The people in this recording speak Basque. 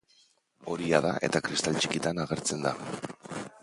Horia da eta kristal txikitan agertzen da.